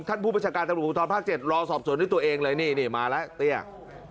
ท่านผู้ประชาการจังหลุงขุมธรรมภาค๗รอสอบสวนให้ตัวเองเลยนี่มาแล้วเตรียม